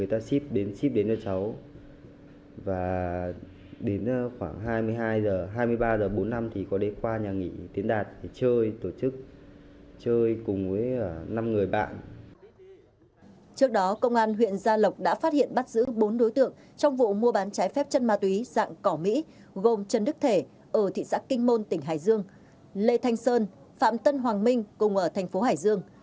trước đó công an huyện gia lộc đã phát hiện bắt giữ bốn đối tượng trong vụ mua bán trái phép chân ma túy dạng cỏ mỹ gồm trần đức thể ở thị xã kinh môn tỉnh hải dương lê thanh sơn phạm tân hoàng minh cùng ở thành phố hải dương